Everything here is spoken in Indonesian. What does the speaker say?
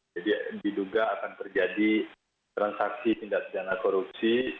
jadi diduga akan terjadi transaksi tindak dana korupsi